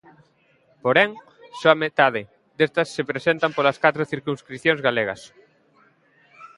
Porén, só a metade destas se presentan polas catro circunscricións galegas.